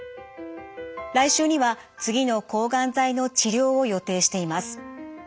来週には次の抗がん剤の治療を予定しています。